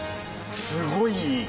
すごい良い！